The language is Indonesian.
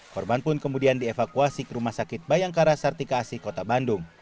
korban pun kemudian dievakuasi ke rumah sakit bayangkara sartika asi kota bandung